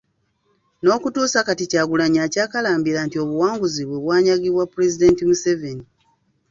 N'okutuusa kati Kyagulanyi akyakalambira nti obuwanguzi bwe bwanyagibwa Pulezidenti Museveni